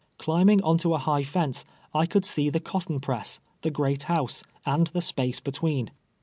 Climbing on to a high fence, I could see the cotton press, the great house, and the space between.